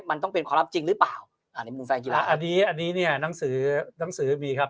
มันต้องเป็นความรับจริงหรือเปล่าอันนี้อันนี้เนี้ยนังสือนังสือมีครับ